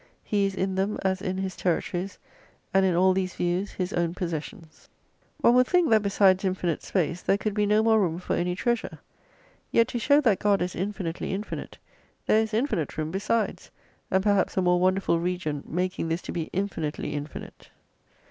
He is in them as in his territories, and in all these views his own possessions. 6 One would think that besides infinite space there could be no more room for any treasure. Yet to show that God is infinitely infinite, there is infinite room besides, and perhaps a more wonderful region making this to be infinitely infinite.